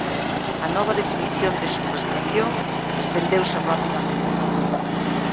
A nova definición de superstición estendeuse rapidamente.